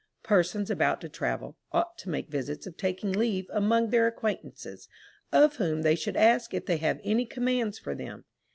Persons about to travel, ought to make visits of taking leave among their acquaintances, of whom they should ask if they have any commands for them.